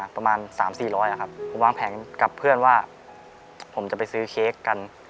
ผมวางแผงกับเพื่อนว่าผมจะไปซื้อเค้กกัน